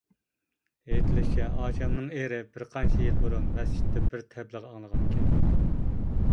ئېيتىلىشىچە، ئاچامنىڭ ئېرى بىر قانچە يىل بۇرۇن، مەسچىتتە بىر تەبلىغ ئاڭلىغانىكەن.